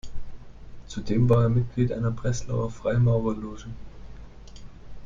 Zudem war er Mitglied einer Breslauer Freimaurerloge.